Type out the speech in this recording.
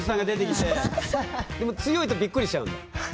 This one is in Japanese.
でも強いとびっくりしちゃうんだ。